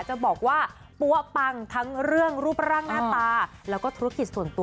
จะบอกว่าปั๊วปังทั้งเรื่องรูปร่างหน้าตาแล้วก็ธุรกิจส่วนตัว